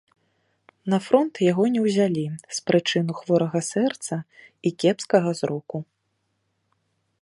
На фронт яго не ўзялі з прычыны хворага сэрца і кепскага зроку.